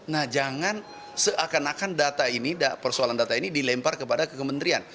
nah jangan seakan akan data ini persoalan data ini dilempar kepada ke kementerian